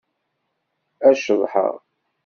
Ad ceḍḥeɣ.